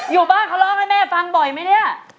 อยู่บ้านเขาร้องให้แม่ฟังบ่อยไหมเนี่ย